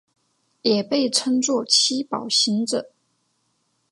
也被称作七宝行者。